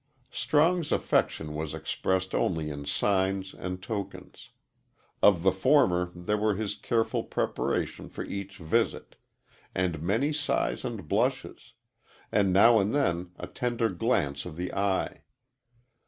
Strong's affection was expressed only in signs and tokens. Of the former there were his careful preparation for each visit, and many sighs and blushes, and now and then a tender glance of the eye.